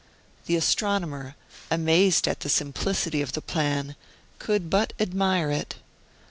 The astronomer, amazed at the simplicity of the plan, could but admire it.